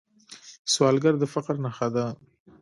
سوالګر د فقر نښه ده